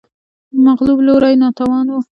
مغلوب لوری ناتوان و